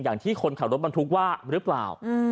อย่างที่คนขับรถบรรทุกว่าหรือเปล่า